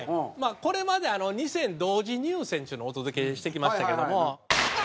これまで２線同時入線というのをお届けしてきましたけども。